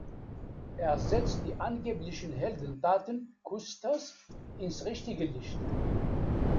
Er setzt die angeblichen Heldentaten Custers ins richtige Licht.